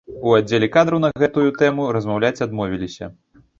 У аддзеле кадраў на гэтую тэму размаўляць адмовіліся.